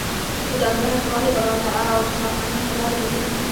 د دوامداره ښه والي او خلاقانه حل لارو بهیرونه